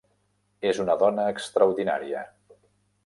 És una dona extraordinària.